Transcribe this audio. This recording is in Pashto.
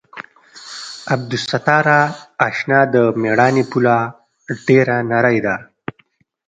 عبدالستاره اشنا د مېړانې پوله ډېره نرۍ ده.